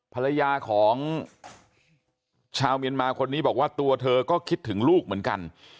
ภรรยาของชาวเมียนมาคนนี้บอกว่าตัวเธอก็คิดถึงลูกเหมือนกัน